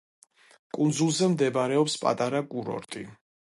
კუნძულზე მდებარეობს პატარა კურორტი.